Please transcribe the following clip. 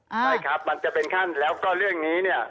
ใช่ครับมันจะเป็นขั้นแล้วก็เรื่องนี้เนี่ย